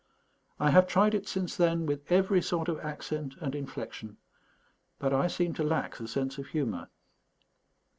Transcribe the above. I have tried it since then with every sort of accent and inflection, but I seem to lack the sense of humour.